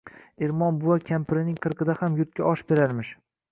Ermon buva kampirining qirqida ham yurtga osh berarmish.